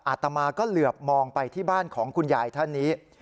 อาตมาก็เหลือบมองไปที่บ้านของคุณยายท่านนี้